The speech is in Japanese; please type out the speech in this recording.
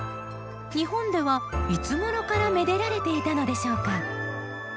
日本ではいつごろからめでられていたのでしょうか？